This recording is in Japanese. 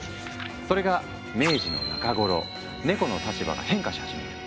それが明治の中頃ネコの立場が変化し始める。